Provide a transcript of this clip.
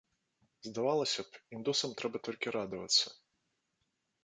Здавалася б, індусам трэба толькі радавацца.